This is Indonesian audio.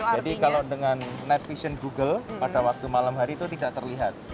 jadi kalau dengan net vision google pada waktu malam hari itu tidak terlihat